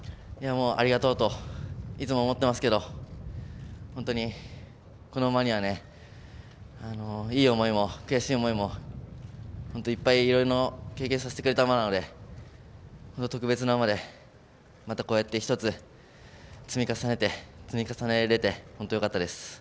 「ありがとう」といつも思ってますけど本当に、この馬にはねいい思いも悔しい思いも本当いろいろ経験させてくれた馬なので、特別な馬でまた、こうやって一つ積み重ねれて本当よかったです。